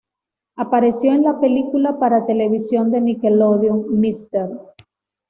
Apareció en la película para televisión de Nickelodeon "Mr.